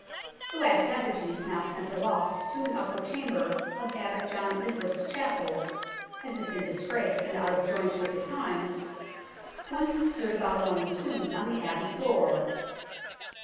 The wax effigies, now sent aloft to an upper chamber of Abbot John Islip's Chapel, as if in disgrace and out of joint with the times, once stood about among the tombs on the Abbey floor.